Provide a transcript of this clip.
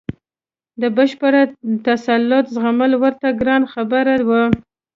د بشپړ تسلط زغمل ورته ګرانه خبره وه.